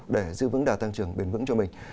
để giữ vững đà tăng trưởng bền vững cho mình